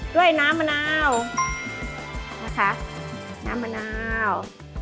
ด้วยน้ำมะนาวนะคะน้ำมะนาว